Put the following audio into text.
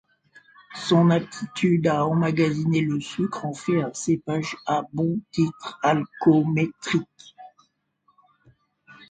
Son aptitude à emmagasiner le sucre en fait un cépage a bon titre alcoométrique.